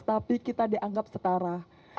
tapi kita dianggap setara